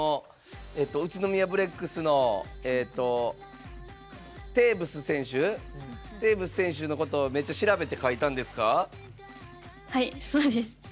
宇都宮ブレックスのテーブス選手のことをめっちゃ調べて描いたんですか？